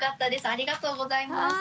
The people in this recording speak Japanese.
ありがとうございます。